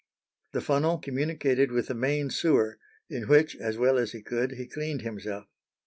The funnel communicated with the main sewer, in which, as well as he could, he cleaned himself.